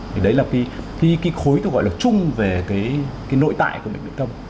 thì đấy là cái khối tôi gọi là chung về cái nội tại của bệnh viện công